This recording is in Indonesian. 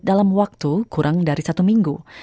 dalam waktu kurang dari satu minggu